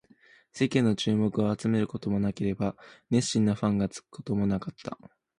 世間の注目を集めることもなければ、熱心なファンがつくこともなかった